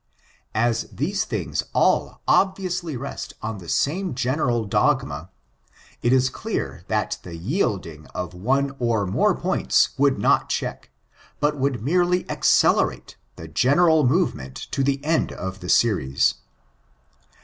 As these things all obviously rest on the same general dogma, it is clear that the yielding of one or more points would not check, but would merely accelerate, the general movement to the end of the series.